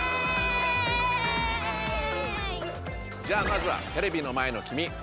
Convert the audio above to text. じゃあまずはテレビの前のきみ！